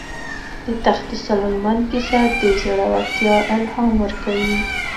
د تخت سلیمان کیسه د زړه ورتیا الهام ورکوي.